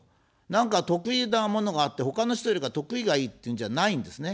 なんか得意なものがあって、他の人よりか得意がいいっていうんじゃないですね。